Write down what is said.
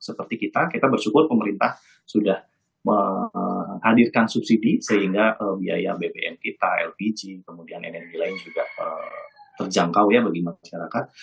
seperti kita kita bersyukur pemerintah sudah menghadirkan subsidi sehingga biaya bbm kita lpg kemudian energi lain juga terjangkau ya bagi masyarakat